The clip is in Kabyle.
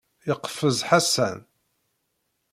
Yeqfez Ḥasan.